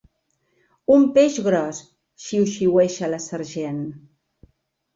Un peix gros —xiuxiueja la sergent.